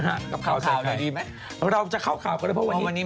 กับข่าวใส่ไข่ข่าวข่าวดูดีไหมเราจะข่าวข่าวก็ได้เพราะวันนี้